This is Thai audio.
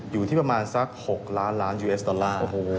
อยู่ที่ประมาณสัก๖ล้านล้านยูเอสดอลลาร์